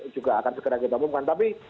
juga akan segera ditemukan tapi